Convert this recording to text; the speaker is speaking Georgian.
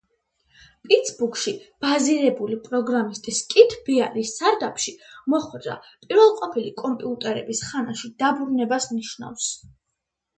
პიცბურგში ბაზირებული პროგრამისტის კით ბეარის სარდაფში მოხვედრა პირველყოფილი კომპიუტერების ხანაში დაბრუნებას ნიშნავს.